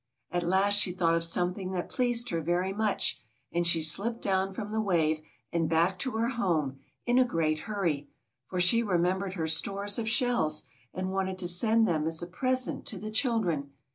At last she thought of something that pleased her very much, and she slipped down from the wave and back to her home, in a great hurry; for she remembered her stores of shells, and wanted to send them as a present to the children.